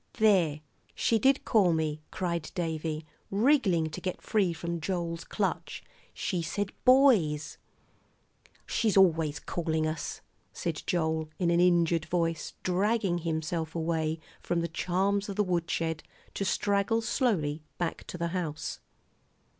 "There, she did call me," cried Davie, wriggling to get free from Joel's clutch; "she said 'boys!'" "She's always calling us," said Joel, in an injured voice, dragging himself away from the charms of the woodshed to straggle slowly back to the house.